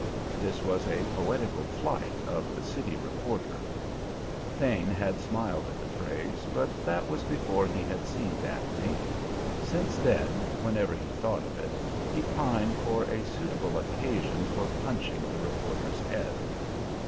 This was a poetical flight of the city reporter. Thane had smiled at the phrase, but that was before he had seen Daphne; since then, whenever he thought of it, he pined for a suitable occasion for punching the reporter's head.